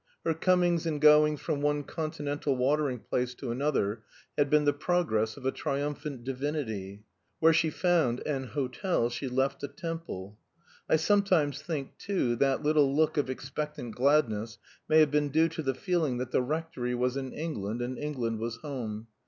Her comings and goings from one Continental watering place to another had been the progress of a triumphant divinity; where she found an hotel she left a temple. I sometimes think, too, that little look of expectant gladness may have been due to the feeling that the Rectory was in England, and England was home.